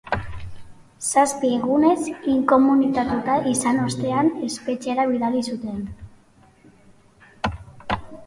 Zazpi egunez inkomunikatuta izan ostean, espetxera bidali zuten.